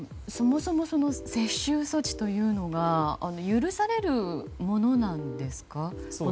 そもそも接収措置というのは許されるものなんですか？